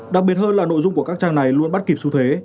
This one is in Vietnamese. đặc biệt hơn là nội dung của các trang này luôn bắt kịp xu thế